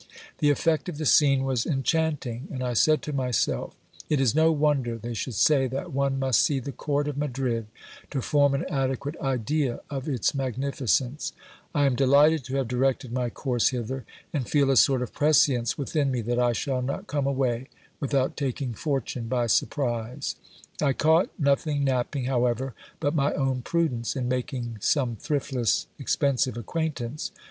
The effect of the scene was en chanting, and I said to myself, It is no wonder they should say that one must see the court of Madrid to form an adequate idea of its magnificence : I am delighted to have directed my course hither, and feel a sort of prescience within me that I shall not come away without taking fortune by surprise. I caught nothing napping, however, but my own prudence, in making some thriftless, expensive acquaintance.